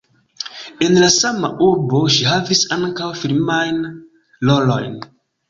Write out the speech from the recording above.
En la sama urbo ŝi havis ankaŭ filmajn rolojn.